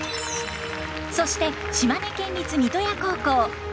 そして島根県立三刀屋高校